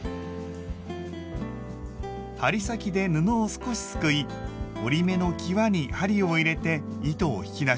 針先で布を少しすくい折り目のきわに針を入れて糸を引き出します。